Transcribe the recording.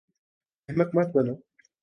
احمق مت بنو